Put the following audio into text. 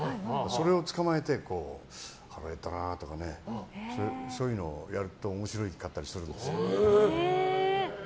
それを捕まえて腹減ったなとかそういうのをやると面白かったりするんですよ。